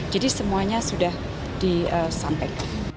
jadi semuanya sudah disampaikan